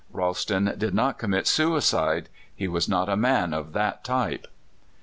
Ralston did not commit suicide. He was not a man of that type.